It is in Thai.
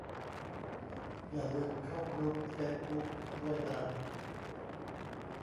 อย่าลืมเข้ากรุ๊ปเฟซบุ๊กด้วยนะ